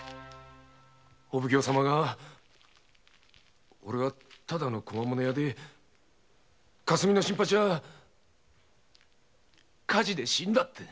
お奉行様がオレはただの小間物屋で霞の新八は火事で死んだって。